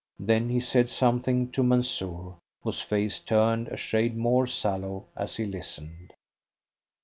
Then he said something to Mansoor, whose face turned a shade more sallow as he listened.